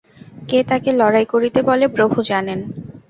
কে তাকে লড়াই করিতে বলে, প্রভু জানেন।